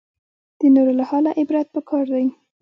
د نورو له حاله عبرت پکار دی